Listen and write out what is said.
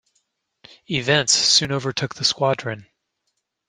Events soon overtook the squadron.